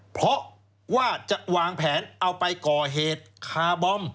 เพราะว่าจะวางแผนเอาไปก่อเหตุคาร์บอม